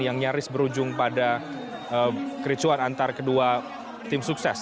yang nyaris berujung pada kericuan antara kedua tim sukses